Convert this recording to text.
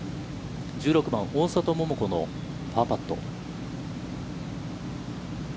１６番、大里桃子のパーパット。